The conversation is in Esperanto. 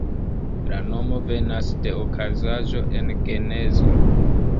La nomo venas de okazaĵo en Genezo.